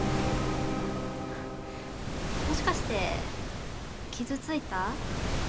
もしかして傷ついた？